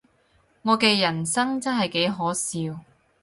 我嘅人生真係幾可笑